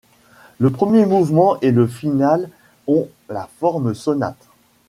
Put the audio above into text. Le premier mouvement et le finale ont la forme sonate.